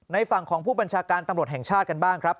ฝั่งของผู้บัญชาการตำรวจแห่งชาติกันบ้างครับ